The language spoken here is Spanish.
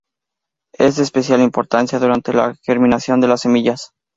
Es de especial importancia durante la germinación de las semillas.